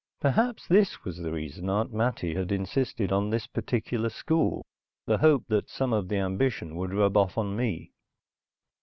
Perhaps this was the reason Aunt Mattie had insisted on this particular school, the hope that some of the ambition would rub off on me.